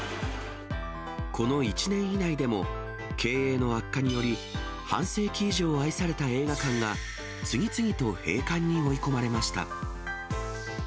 この１年以内でも経営の悪化により、半世紀以上愛された映画館が、次々と閉館に追い込まれました。